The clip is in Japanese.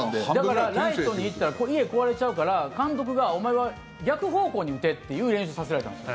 だから、ライトに行ったら家壊れちゃうから監督がお前は逆方向に打てっていう練習をさせられたんです。